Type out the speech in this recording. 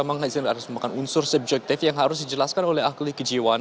memang harus memiliki unsur subjektif yang harus dijelaskan oleh akli kejiwan